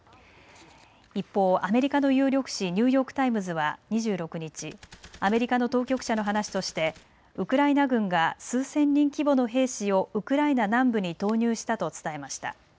一方、アメリカの有力紙、ニューヨーク・タイムズは２６日、アメリカの当局者の話としてウクライナ軍が数千人規模の兵士をウクライナ南部に投入したと伝えました。